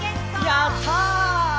やった！